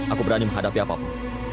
aku berani menghadapi apapun